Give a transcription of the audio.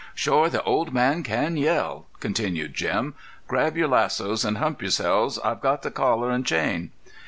"Shore, the old man can yell," continued Jim. "Grab your lassos an' hump yourselves. I've got the collar an' chain."